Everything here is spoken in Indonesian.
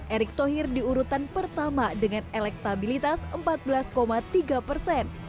erick thohir di urutan pertama dengan elektabilitas empat belas tiga persen